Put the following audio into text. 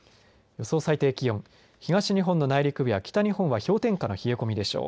予想最低気温東日本の内陸部や北日本は氷点下の冷え込みでしょう。